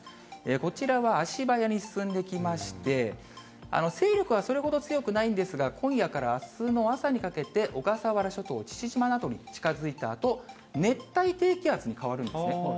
こちらは足早に進んできまして、勢力はそれほど強くないんですが、今夜からあすの朝にかけて、小笠原諸島、父島などに近づいたあと、熱帯低気圧に変わるんですね。